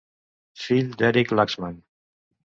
Fill d'Erik Laxman.